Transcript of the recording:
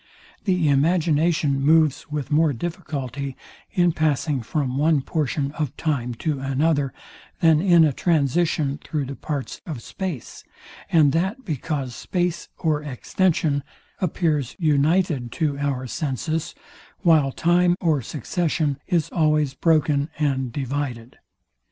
The imagination moves with more difficulty in passing from one portion of time to another, than in a transition through the parts of space; and that because space or extension appears united to our senses, while time or succession is always broken and divided.